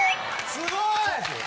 すごい！